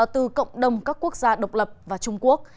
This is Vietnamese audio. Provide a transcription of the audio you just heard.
từ cộng đồng các quốc gia độc lập và trung quốc